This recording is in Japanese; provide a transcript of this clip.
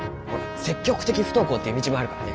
積極的不登校という道もあるからね。